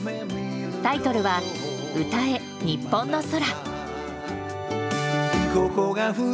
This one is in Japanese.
タイトルは「歌えニッポンの空」。